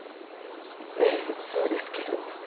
ええそうですけど。